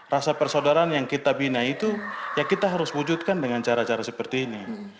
rasa persaudaraan yang kita bina itu ya kita harus wujudkan dengan cara cara seperti ini